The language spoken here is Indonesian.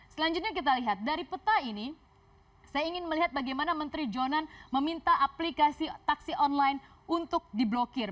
selanjutnya kita lihat dari peta ini saya ingin melihat bagaimana menteri jonan meminta aplikasi taksi online untuk diblokir